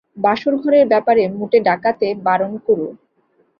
বাসরঘরের ব্যাপারে মুটে ডাকতে বারণ কোরো।